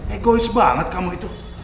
egois banget kamu itu